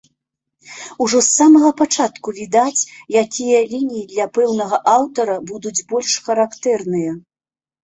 Ужо з самага пачатку відаць, якія лініі для пэўнага аўтара будуць больш характэрныя.